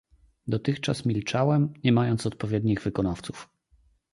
"Dotychczas milczałem, nie mając odpowiednich wykonawców."